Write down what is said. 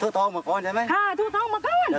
ถ้าหลงมาข้อนใช่ไหมคะข้ารห่อกหน่อย